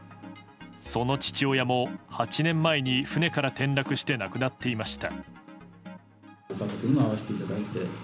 その父親も８年前に船から転落して亡くなっていました。